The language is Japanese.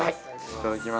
いただきます。